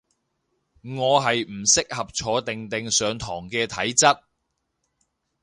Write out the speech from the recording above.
我係唔適合坐定定上堂嘅體質